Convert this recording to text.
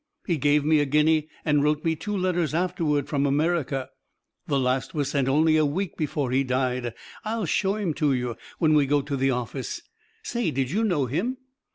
He gave me a guinea and wrote me two letters afterward from America; the last was sent only a week before he died. I'll show 'em to you when we go to the office. Say, did you know him?"